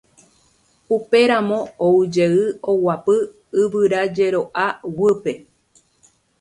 Upémarõ oujey oguapy yvyrajero'a guýpe.